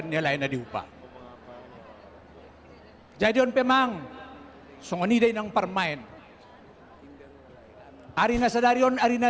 namada nga pedainak